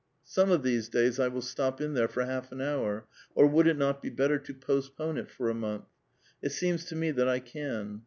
Some of these days I will stop in there for half an hour, or would it not be better to postpone it for a month? It seems to me that I can.